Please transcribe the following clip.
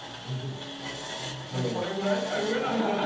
これぐらいしか言えないんですよ！